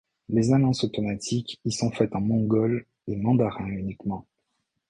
Les annonces automatiques y sont faites en mongol et mandarin uniquement.